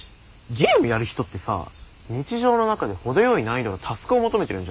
ゲームやる人ってさ日常の中で程よい難易度のタスクを求めてるんじゃないかな。